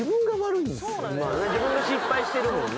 自分で失敗してるもんね。